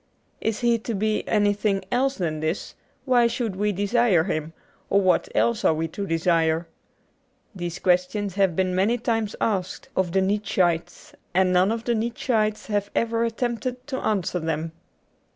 If he is to be anything else than this, why should we desire him, or what else are we to desire ? These questions have been many times asked of the Nietzscheites, and none of the Nietzscheites have even attempted to answer them.